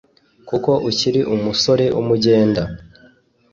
kuko ukiri umusore w’umugenda